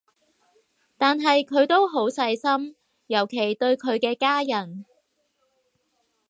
但係佢都好細心，尤其對佢嘅家人